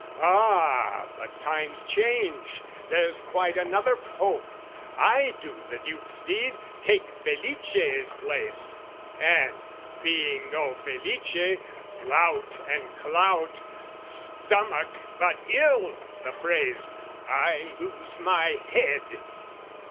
Ah, but times change, there's quite another Pope, I do the Duke's deed, take Felice's place, And, being no Felice, lout and clout, Stomach but ill the phrase "I lose my head!"